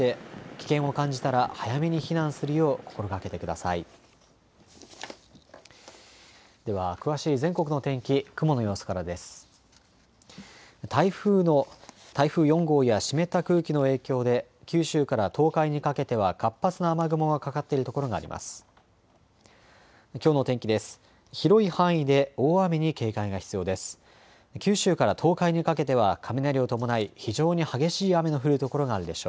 台風４号や湿った空気の影響で九州から東海にかけては活発な雨雲がかかっている所があります。